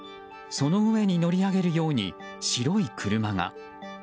その上に乗り上げるように白い車が。